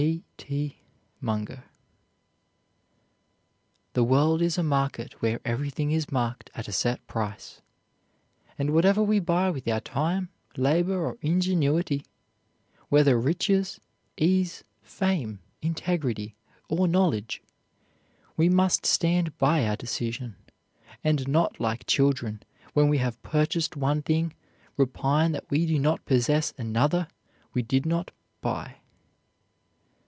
T. T. MUNGER. The world is a market where everything is marked at a set price, and whatever we buy with our time, labor, or ingenuity, whether riches, ease, fame, integrity, or knowledge, we must stand by our decision, and not like children, when we have purchased one thing, repine that we do not possess another we did not buy.